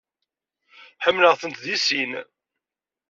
Ḥemmleɣ-tent deg sin.